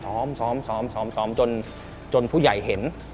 ซ้อมจนพูดใหญ่เห็น